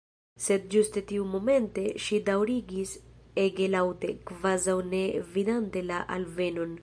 Sed ĝuste tiumomente ŝi daŭrigis ege laŭte, kvazaŭ ne vidante la alvenon.